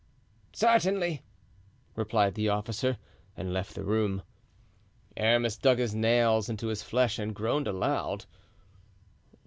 "Certainly," replied the officer, and left the room. Aramis dug his nails into his flesh and groaned aloud.